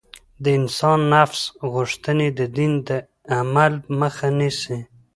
د انسان نفس غوښتنې د دين د عمل مخه نيسي.